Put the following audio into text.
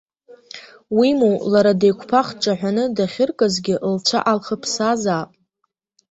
Уимоу, лара деиқәԥах дҿаҳәаны дахьыркызгьы, лцәа аалхыԥсаазаап.